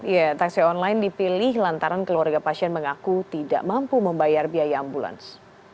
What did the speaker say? ya taksi online dipilih lantaran keluarga pasien mengaku tidak mampu membayar biaya ambulans